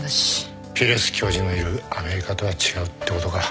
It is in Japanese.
ピレス教授のいるアメリカとは違うってことか。